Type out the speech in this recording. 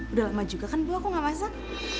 udah lama juga kan bu aku gak masak